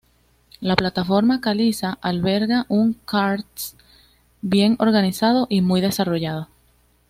La plataforma caliza alberga un karst bien organizado y muy desarrollado.